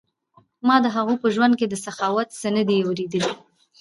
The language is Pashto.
ما د هغوی په ژوند کې د سخاوت څه نه دي اوریدلي.